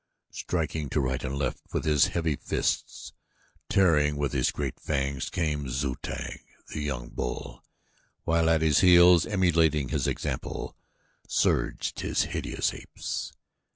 Striking to right and left with his heavy fists, tearing with his great fangs, came Zu tag, the young bull, while at his heels, emulating his example, surged his hideous apes.